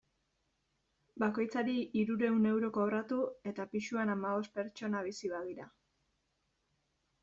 Bakoitzari hirurehun euro kobratu, eta pisuan hamabost pertsona bizi badira.